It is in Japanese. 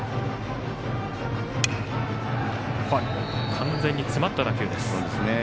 完全に詰まった打球です。